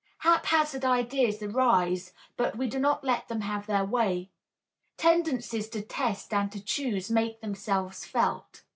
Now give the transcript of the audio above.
Haphazard ideas arise, but we do not let them have their way. Tendencies to test and to choose make themselves felt.